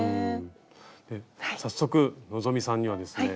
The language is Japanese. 早速希さんにはですね